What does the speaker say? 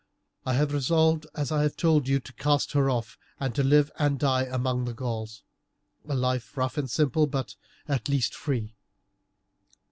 I have resolved, as I have told you, to cast her off, and to live and die among the Gauls a life rough and simple, but at least free."